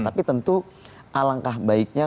tapi tentu alangkah baiknya